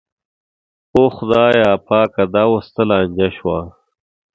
او خدایه پاکه دا اوس څه لانجه شوه.